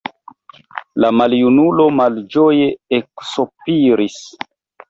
La maljunulo malĝoje eksopiris.